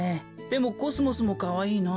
でもコスモスもかわいいな。